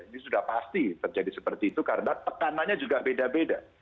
ini sudah pasti terjadi seperti itu karena tekanannya juga beda beda